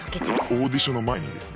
オーディションの前にですね。